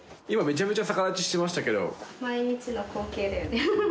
今めちゃめちゃ逆立ちしてましたけど。